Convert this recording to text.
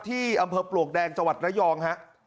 ที่อำเภอปลวกแดงจังหวัดระยองฮะ